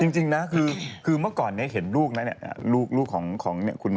จริงนะคือเมื่อก่อนเนี่ยเห็นลูกนั้นเนี่ยลูกของเนี่ยคุณโบ